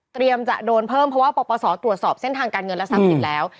จะโดนเพิ่มเพราะว่าปปศตรวจสอบเส้นทางการเงินและทรัพย์สินแล้ว